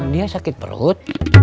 dia sakit perut